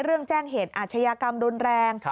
เรื่องแจ้งเหตุอาชญากรรมรุนแรง